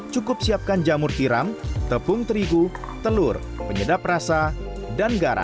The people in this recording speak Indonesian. cukup siapkan jamur tiram tepung terigu telur penyedap rasa dan garam